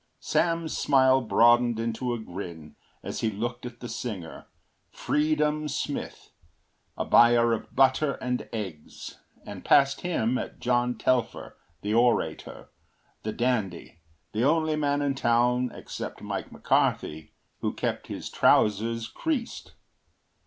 Sam’s smile broadened into a grin as he looked at the singer, Freedom Smith, a buyer of butter and eggs, and past him at John Telfer, the orator, the dandy, the only man in town, except Mike McCarthy, who kept his trousers creased.